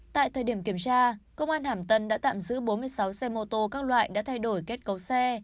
tại thời điểm kiểm tra công an hàm tân đã tạm giữ bốn mươi sáu xe mô tô các loại đã thay đổi kết cấu xe